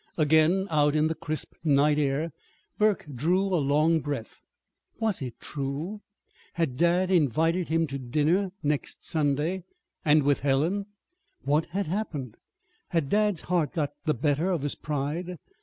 Again out in the crisp night air, Burke drew a long breath. Was it true? Had dad invited him to dinner next Sunday? And with Helen? What had happened? Had dad's heart got the better of his pride?